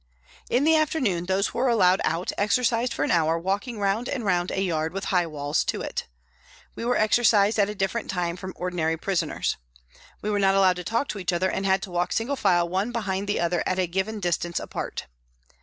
In the afternoon, those 'who were allowed out exercised for an hour walking round and round a yard with high walls to it. We were exercised at a different time from ordinary prisoners. We were not allowed to talk to each other and had to walk single file one behind the other at a given distance apart.